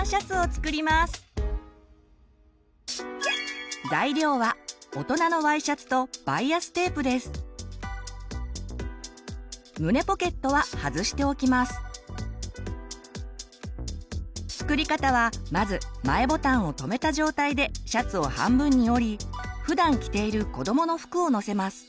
作り方はまず前ボタンを留めた状態でシャツを半分に折りふだん着ているこどもの服を載せます。